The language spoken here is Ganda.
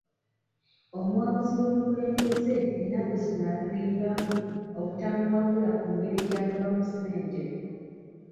Omuwabuzi w'omukulembeze ennaku zino atulimbamu obutamuwabula ku ngeri gy'agabamu ssente.